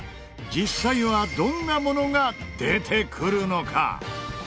実際はどんなものが出てくるのか？